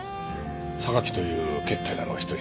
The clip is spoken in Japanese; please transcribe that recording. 榊というけったいなのが１人。